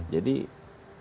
jadi nggak ada cara lain